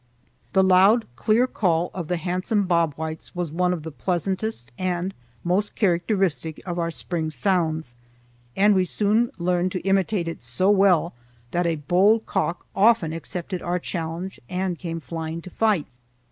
The loud clear call of the handsome bob whites was one of the pleasantest and most characteristic of our spring sounds, and we soon learned to imitate it so well that a bold cock often accepted our challenge and came flying to fight.